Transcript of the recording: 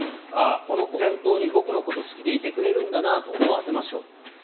この子は本当に僕のこと好きでいてくれるんだなと思わせましょう。